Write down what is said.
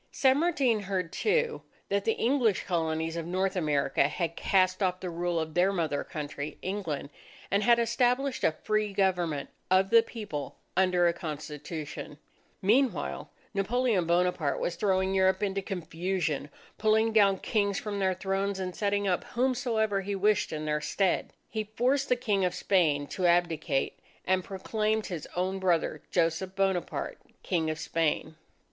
San Martin heard, too, that the English Colonies of North America had cast off the rule of their mother country, England, and had established a free government of the People under a Constitution. Meanwhile, Napoleon Bonaparte was throwing Europe into confusion, pulling down Kings from their thrones, and setting up whomsoever he wished in their stead. He forced the King of Spain to abdicate, and proclaimed his own brother Joseph Bonaparte, King of Spain.